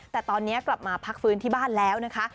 แต่ตอนนี้กลับมาพักฟื้นที่บ้านแล้วนะคะ